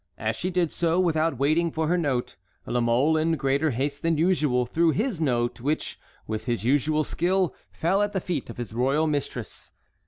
As she did so, without waiting for her note, La Mole, in greater haste than usual, threw his note which with his usual skill fell at the feet of his royal mistress.